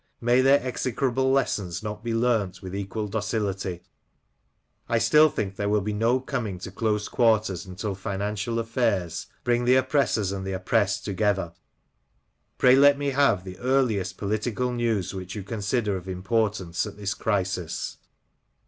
May their execrable lessons not be learnt with equal docility ! I still think there will be no coming to close quarters until financial affairs bring the oppressors and the oppressed together. Pray let me have the earliest political news which you consider of importance at this crisis.